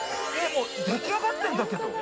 出来上がってるんだけど。